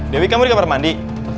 dewi kamu di kamar mandi